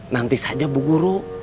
nanti saja bu guru